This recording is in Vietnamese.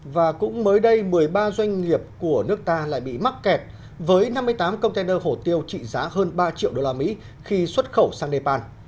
và cũng mới đây một mươi ba doanh nghiệp của nước ta lại bị mắc kẹt với năm mươi tám container hổ tiêu trị giá hơn ba triệu usd khi xuất khẩu sang nepal